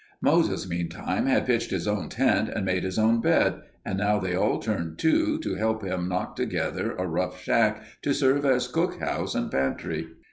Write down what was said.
Moses, meantime, had pitched his own tent and made his own bed, and now they all turned to to help him knock together a rough shack to serve as cook house and pantry.